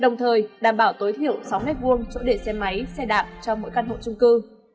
đồng thời đảm bảo tối thiểu sáu m hai chỗ để xe máy xe đạp cho mỗi căn hộ trung cư